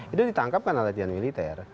itu ditangkap karena latihan militer